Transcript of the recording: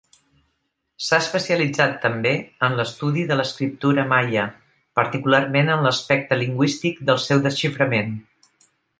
S'ha especialitzat també en l'estudi de l'escriptura maia, particularment en l'aspecte lingüístic del seu desxiframent.